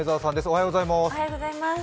おはようございます。